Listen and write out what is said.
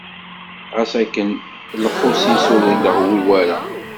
Ɣas akken, lqus-is ur illeɣwi ara.